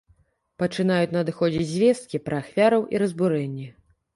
Пачынаюць надыходзіць звесткі пра ахвяраў і разбурэнні.